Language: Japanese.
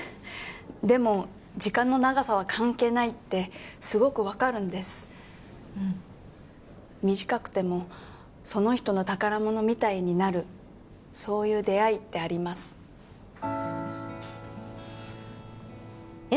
でも時間の長さは関係ないってすごく分かるんですうん短くてもその人の宝物みたいになるそういう出会いってありますよ